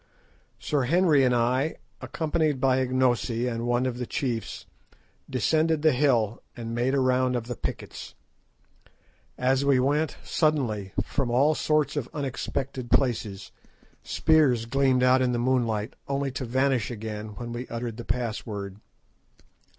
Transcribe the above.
Sir Henry and I, accompanied by Ignosi and one of the chiefs, descended the hill and made a round of the pickets. As we went, suddenly, from all sorts of unexpected places, spears gleamed out in the moonlight, only to vanish again when we uttered the password.